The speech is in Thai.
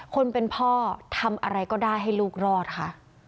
คนเป็นพ่อทำอะไรก็ได้ให้ลูกรอดค่ะ